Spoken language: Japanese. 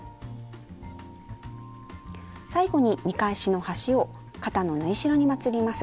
最後に見返しの端を肩の縫い代にまつります。